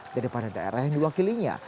daripada daerah yang diwakilinya